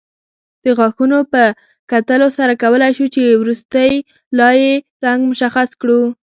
د غاښونو په کتلو سره کولای شو چې وروستۍ لایې رنګ مشخص کړو